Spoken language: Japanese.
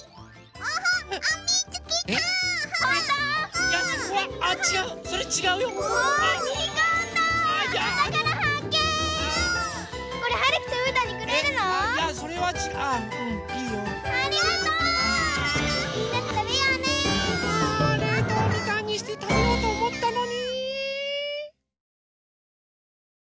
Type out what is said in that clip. あれいとうみかんにしてたべようとおもったのに。